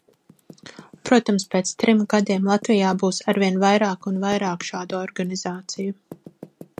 Protams, pēc trim gadiem Latvijā būs arvien vairāk un vairāk šādu organizāciju.